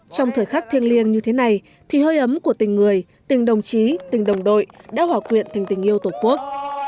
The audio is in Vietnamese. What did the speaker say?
trong thời khắc thiêng liêng như thế này thì hơi ấm của tình người tình đồng chí tình đồng đội đã hòa quyện thành tình yêu tổ quốc